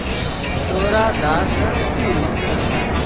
ڏورا ڌار سي